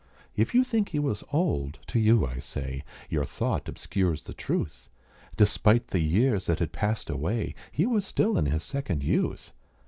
If you think he was old, to you I say, Your thought obscures the truth Despite the years that had passed away, He was still in his second youth.